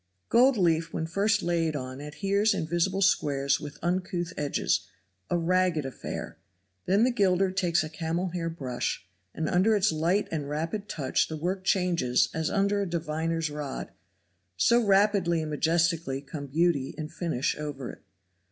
Gold leaf when first laid on adheres in visible squares with uncouth edges, a ragged affair; then the gilder takes a camelhair brush and under its light and rapid touch the work changes as under a diviner's rod, so rapidly and majestically come beauty and finish over it.